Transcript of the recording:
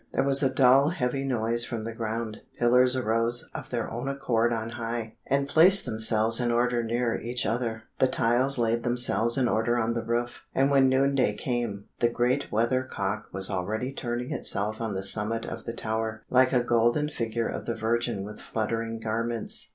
There was a dull heavy noise from the ground; pillars arose of their own accord on high, and placed themselves in order near each other. The tiles laid themselves in order on the roof, and when noon day came, the great weather cock was already turning itself on the summit of the tower, like a golden figure of the Virgin with fluttering garments.